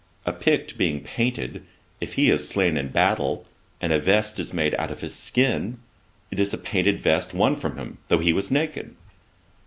A Pict being painted, if he is slain in battle, and a vest is made of his skin, it is a painted vest won from him, though he was naked.